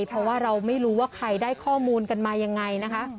เพราะว่าเราไม่รู้ว่าใครได้ข้อมูลกันมายังไงนะคะ